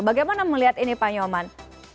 bagaimana melihat ini pak nyoman